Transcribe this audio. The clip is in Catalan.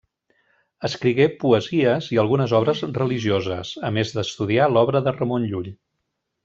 Escrigué poesies i algunes obres religioses, a més d'estudiar l'obra de Ramon Llull.